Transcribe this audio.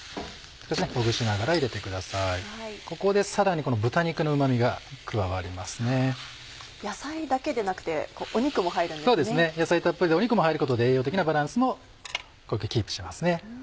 そうですね野菜たっぷりで肉も入ることで栄養的なバランスもこれでキープしますね。